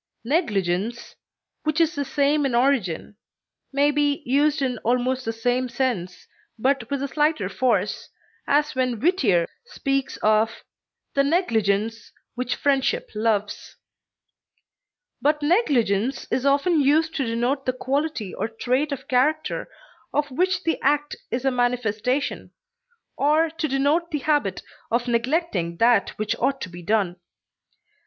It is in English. Negligence, which is the same in origin, may be used in almost the same sense, but with a slighter force, as when Whittier speaks of "the negligence which friendship loves;" but negligence is often used to denote the quality or trait of character of which the act is a manifestation, or to denote the habit of neglecting that which ought to be done.